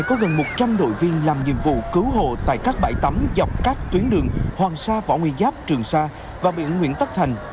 cao điểm mùa hè có gần một trăm linh đội viên làm nhiệm vụ cứu hộ tại các bãi tắm dọc các tuyến đường hoàng sa võ nguyên giáp trường sa và biển nguyễn tất thành